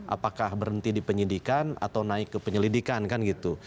apakah berhenti di penyidikan atau naik ke penyelidikan kan gitu